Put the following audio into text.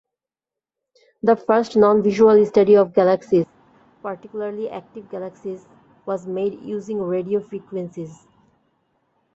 The first non-visual study of galaxies, particularly active galaxies, was made using radio frequencies.